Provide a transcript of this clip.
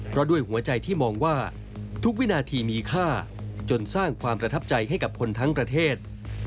เพราะด้วยหัวใจที่มองว่าทุกวินาทีมีค่าจนสร้างความประทับใจให้กับคนทั้งประเทศ